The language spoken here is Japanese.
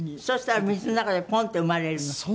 そしたら水の中でポンって産まれるの？